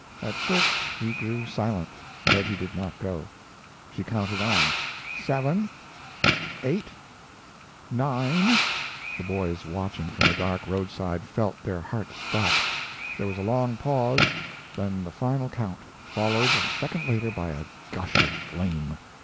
At six he grew silent, but he did not go. She counted on: seven eight nine The boys watching from the dark roadside felt their hearts stop. There was a long pause, then the final count, followed a second later by a gush of flame.